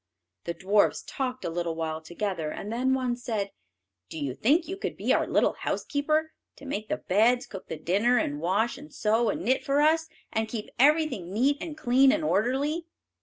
The dwarfs talked a little while together, and then one said, "Do you think you could be our little housekeeper, to make the beds, cook the dinner, and wash and sew and knit for us, and keep everything neat and clean and orderly?